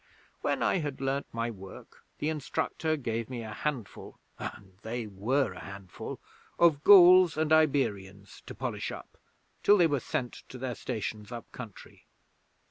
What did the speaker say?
When I had learned my work the Instructor gave me a handful and they were a handful! of Gauls and Iberians to polish up till they were sent to their stations up country.